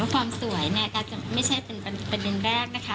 ความสวยเนี่ยก็ไม่ใช่เป็นแรกนะคะ